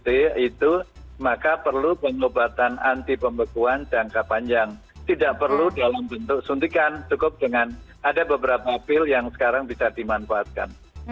d itu maka perlu pengobatan anti pembekuan jangka panjang tidak perlu dalam bentuk suntikan cukup dengan ada beberapa pil yang sekarang bisa dimanfaatkan